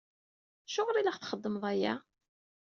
Acuɣer i la aɣ-txeddmeḍ aya?